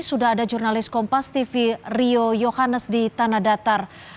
sudah ada jurnalis kompas tv rio yohannes di tanah datar